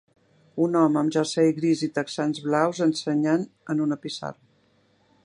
Un home amb jersei gris i texans blaus ensenyant en una pissarra.